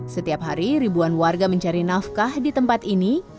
setiap hari ribuan warga mencari nafkah di tempat ini